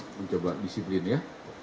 mencoba disiplin ya